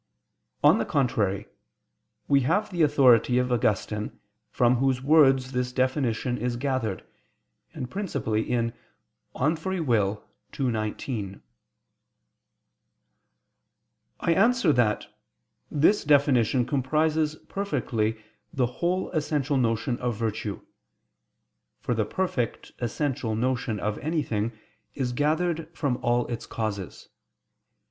On the contrary, We have the authority of Augustine from whose words this definition is gathered, and principally in De Libero Arbitrio ii, 19. I answer that, This definition comprises perfectly the whole essential notion of virtue. For the perfect essential notion of anything is gathered from all its causes.